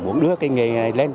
muốn đưa cái nghề này lên